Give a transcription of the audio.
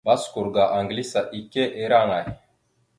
Baskur ga Aŋgiva ike ira aŋay?